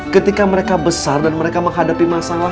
ketika mereka besar dan mereka menghadapi masalah